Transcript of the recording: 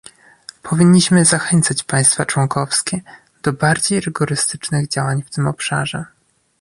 Powinniśmy zachęcać państwa członkowskie do bardziej rygorystycznych działań w tym obszarze